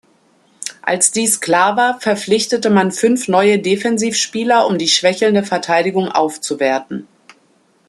Als dies klar war, verpflichtete man fünf neue Defensiv-Spieler, um die schwächelnde Verteidigung aufzuwerten.